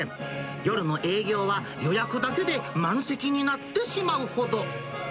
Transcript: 夜の営業は予約だけで満席になってしまうほど。